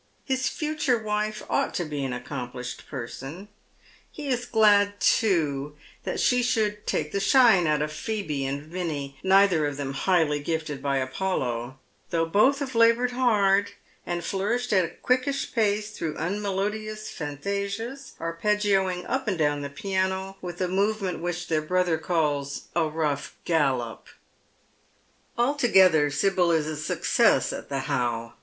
His future wife ought to be an accomplished person. He ^s glad, too, that she should "take the shine " out of Phoebe and Vinnie, neither of them highly gifted by Apollo, though both have laboured hard, and flourish at a quickish pace through unmelodious fantasias, arpeggio ing up and down the piano with a movement wliich their brother calls a rough gallop. Altogether Sibyl is a success at the How.